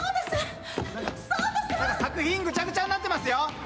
作品ぐちゃぐちゃになってますよ！？